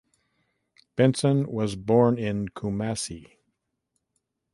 Benson was born in Kumasi.